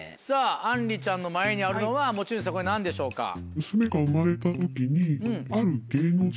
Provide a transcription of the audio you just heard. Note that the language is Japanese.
さぁあんりちゃんの前にあるのは持ち主さんこれ何でしょうか？